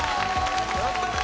やったー！